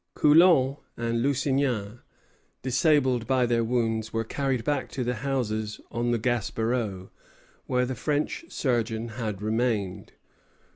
Coulon and Lusignan, disabled by their wounds, were carried back to the houses on the Gaspereau, where the French surgeon had remained.